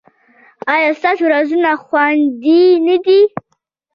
ایا ستاسو رازونه خوندي نه دي؟